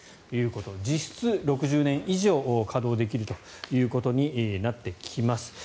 実質、６０年以上稼働できるということになってきます。